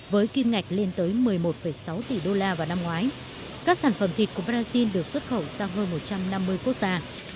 với kim ngạch lên tới một mươi một sáu tỷ đô la vào năm ngoái các sản phẩm thịt của brazil được xuất khẩu sang hơn một trăm năm mươi quốc gia